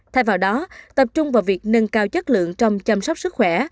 thay vào đó tập trung vào việc nâng cao chất lượng trong chăm sóc sức khỏe